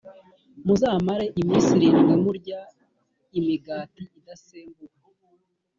muzamare iminsi irindwi murya imigati idasembuwe